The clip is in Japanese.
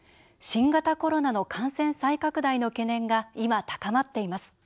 新型コロナの感染再拡大の懸念が今、高まっています。